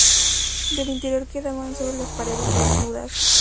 Del interior quedaban sólo las paredes desnudas.